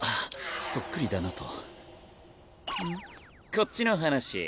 こっちの話。